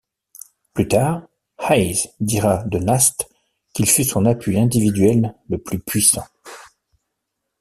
Plus tard, Hayes dira de Nast qu'il fut son appui individuel le plus puissant.